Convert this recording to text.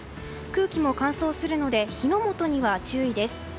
空気も乾燥するので火の元には注意です。